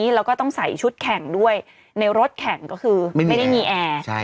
แล้วก็ต้องใส่ชุดแข่งด้วยในรถแข่งก็คือไม่ได้มีแอร์